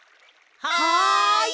はい！